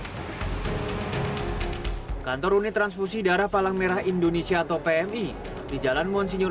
hai kantor unit transfusi darah palang merah indonesia atau pmi di jalan monsignor